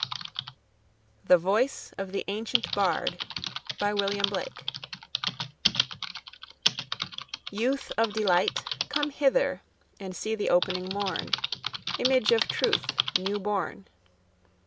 THE VOICE OF THE ANCIENT BARD Youth of delight! come hither And see the opening morn, Image of Truth new born.